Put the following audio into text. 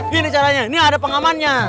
gini caranya ini ada pengamannya